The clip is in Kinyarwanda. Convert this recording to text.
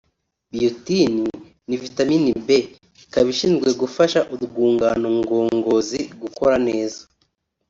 Biotin ni vitamine B ikaba ishinzwe gufasha urwungano ngogozi gukora neza